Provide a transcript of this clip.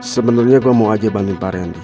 sebenarnya saya ingin menjelaskan kepada pak randy